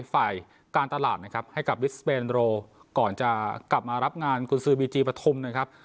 ฝ่ายการตลาดนะครับให้กับวิสเปนโรก่อนจะกลับมารับงานกุญสือบีจีปฐุมนะครับ